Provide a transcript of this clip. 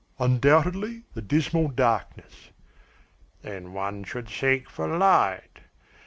"Undoubtedly the dismal darkness." "Then one should seek for light.